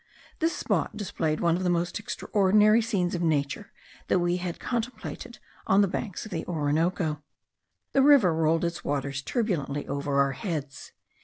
This spot displayed one of the most extraordinary scenes of nature that we had contemplated on the banks of the Orinoco. The river rolled its waters turbulently over our heads.